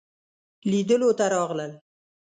لیدلو ته راغلل.